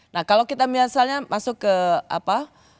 nah kalau kita misalnya masuk ke apa